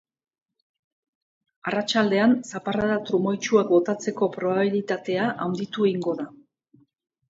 Arratsaldean, zaparrada trumoitsuak botatzeko probabilitatea handitu egingo da.